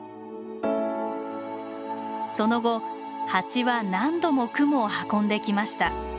その後ハチは何度もクモを運んできました。